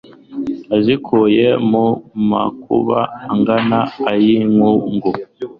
Wazikuye mu makuba Angana ay'i Nkungu,